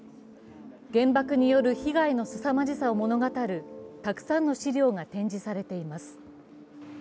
原爆による被害のすさまじさを物語るたくさんの資料が展示されています。